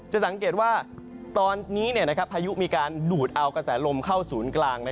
จะสังเกตว่าตอนนี้พายุมีการดูดเอากระแสลมเข้าศูนย์กลาง